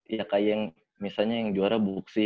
iya kayak misalnya yang juara buksi